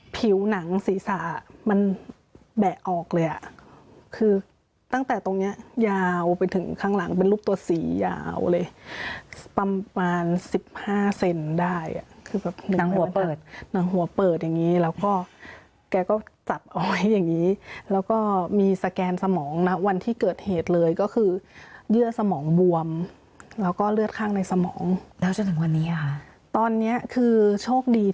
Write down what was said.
ผิวหนังศีรษะมันแบะออกเลยอ่ะคือตั้งแต่ตรงเนี้ยยาวไปถึงข้างหลังเป็นรูปตัวสียาวเลยประมาณสิบห้าเซนได้อ่ะคือแบบหนังหัวเปิดหนังหัวเปิดอย่างงี้แล้วก็แกก็จับเอาไว้อย่างนี้แล้วก็มีสแกนสมองนะวันที่เกิดเหตุเลยก็คือเยื่อสมองบวมแล้วก็เลือดข้างในสมองแล้วจนถึงวันนี้ค่ะตอนเนี้ยคือโชคดี